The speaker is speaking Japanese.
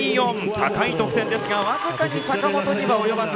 高い得点ですがわずかに坂本には及ばず。